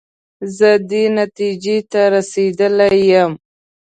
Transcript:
زه دې نتیجې ته رسېدلی یم.